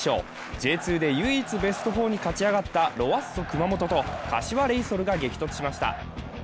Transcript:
Ｊ２で唯一ベスト４に勝ち上がったロアッソ熊本と、柏レイソルが激突しました。